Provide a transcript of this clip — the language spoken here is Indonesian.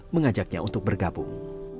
mengajaknya untuk bergabung